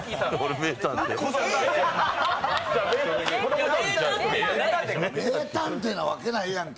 名探偵なわけないやんけ。